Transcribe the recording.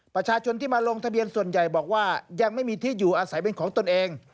ประชาชนที่มาลงทะเบียนส่วนใหญ่บอกว่ายังไม่มีที่อยู่อาศัยเป็นของตนเอง